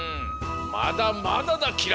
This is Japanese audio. まだまだだ輝星。